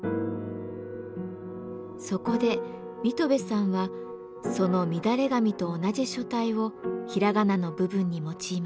そこで水戸部さんはその「みだれ髪」と同じ書体を平仮名の部分に用いました。